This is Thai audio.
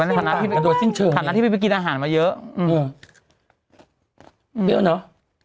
มันเหมือนกับมันในฐานะฐานะที่พี่ไปกินอาหารมาเยอะอืมเปรี้ยวเนอะ